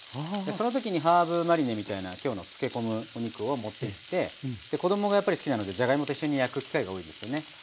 その時にハーブマリネみたいな今日の漬け込むお肉を持っていって子供がやっぱり好きなのでじゃがいもと一緒に焼く機会が多いですよね。